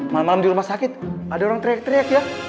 malem malem dirumah sakit ada orang teriak teriak ya